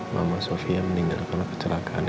mama sofia meninggal pernah kecelakaan